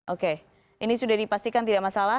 oke ini sudah dipastikan tidak masalah